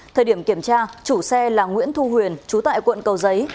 thời điểm kiểm tra chủ xe là nguyễn thu huyền chú tại quận cầu giấy